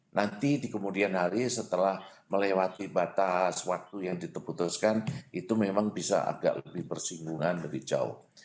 nanti di kemudian hari setelah melewati batas waktu yang diteputuskan itu memang bisa agak lebih persinggungan lebih jauh